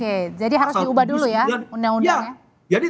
oke jadi harus diubah dulu ya undang undangnya